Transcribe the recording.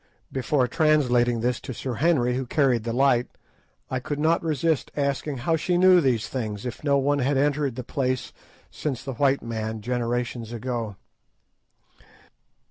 Before translating this to Sir Henry, who carried the light, I could not resist asking how she knew these things, if no one had entered the place since the white man, generations ago.